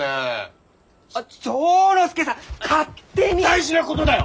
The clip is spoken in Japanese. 大事なことだよ！